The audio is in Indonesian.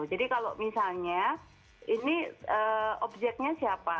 jadi kalau misalnya ini objeknya siapa